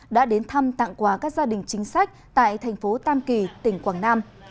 đã đến thăm tặng quà các gia đình chính sách tại thành phố tam kỳ tỉnh quảng nam